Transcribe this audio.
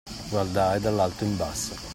Guardare dall'alto in basso.